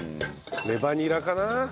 レバニラかな？